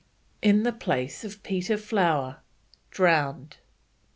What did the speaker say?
in the place of Peter Flower, drowned.